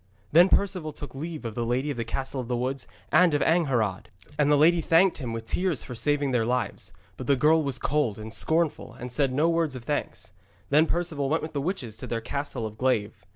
Then Perceval took leave of the lady of the Castle of Weeds, and of Angharad. And the lady thanked him with tears for saving their lives, but the girl was cold and scornful and said no word of thanks. Then Perceval went with the witches to their Castle of Glaive.